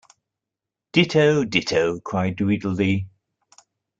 ‘Ditto, ditto’ cried Tweedledee.